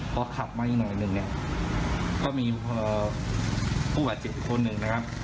พอขับมาอีกหน่อยนึงเนี่ยก็มีอุบัติเจ็บคนหนึ่งนะครับ